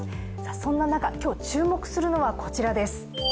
そんな中、今日、注目するのはこちらです。